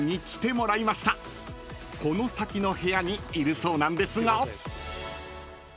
［この先の部屋にいるそうなんですが］